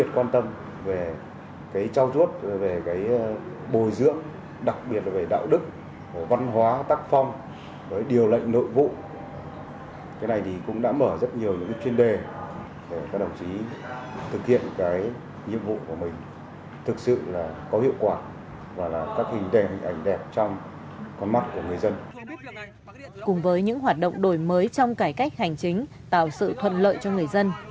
cùng với những hoạt động đổi mới trong cải cách hành chính tạo sự thuận lợi cho người dân